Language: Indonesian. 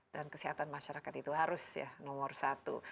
dan kesehatan masyarakat itu harus ya nomor satu